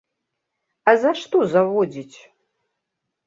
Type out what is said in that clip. А за што заводзіць?